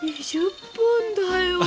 ２０分だよ。